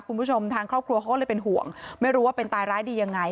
คุณผู้ชมทางครอบครัวเขาก็เลยเป็นห่วงไม่รู้ว่าเป็นตายร้ายดียังไง